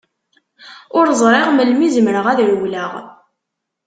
Ur ẓriɣ melmi zemreɣ ad rewleɣ.